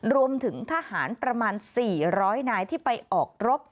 รวมถึงทหารประมาณ๔๐๐นายที่ไปออกรบ